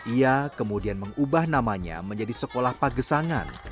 ia kemudian mengubah namanya menjadi sekolah pagesangan